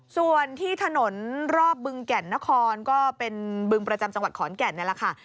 ส่วนที่ถนนรอบบึงแก่นนครก็เป็นบึงประจำจังหวัดขอนแก่นนี่แหละค่ะ